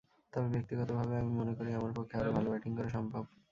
তবে ব্যক্তিগতভাবে আমি মনে করি, আমার পক্ষে আরও ভালো ব্যাটিং করা সম্ভব।